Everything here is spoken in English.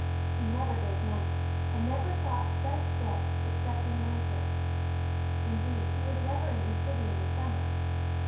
He never gave money, and never sought such a guest except in the winter. Indeed, he was never in the city in the summer.